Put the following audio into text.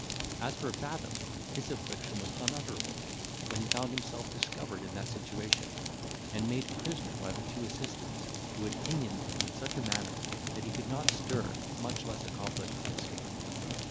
As for Fathom, his affliction was unutterable, when he found himself discovered in that situation, and made prisoner by the two assistants, who had pinioned him in such a manner, that he could not stir, much less accomplish an escape.